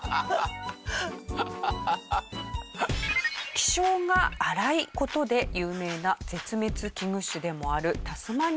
気性が荒い事で有名な絶滅危惧種でもあるタスマニアデビル。